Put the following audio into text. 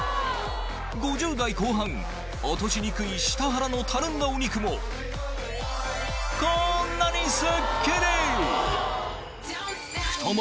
５０代後半落としにくい下腹のたるんだお肉もこんなにすっきり！